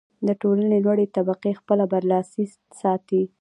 د ټولنې لوړې طبقې خپله برلاسي ساتي.